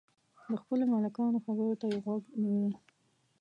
د خپلو ملکانو خبرو ته یې غوږ نیوی.